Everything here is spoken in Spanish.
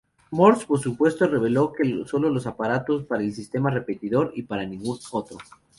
Morse, por supuesto, reveló sólo aparatos para el sistema repetidor y para ningún otro.